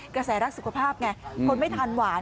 กระแสรักสุขภาพไงคนไม่ทานหวาน